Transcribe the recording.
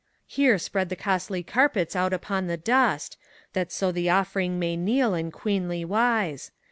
Here spread the costly carpets out upon the dust, That so the offering may kneel in queenly wise.